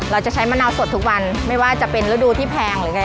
เราจะใช้มะนาวสดทุกวันไม่ว่าจะเป็นฤดูที่แพงหรือไง